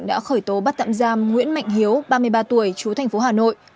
đã khởi tố bắt tạm giam nguyễn mạnh hiếu ba mươi ba tuổi chú thành phố hà nội